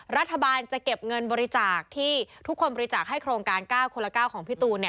รัฐบาลจะเก็บเงินบริจาคที่ทุกคนบริจาคให้โครงการ๙คนละ๙ของพี่ตูน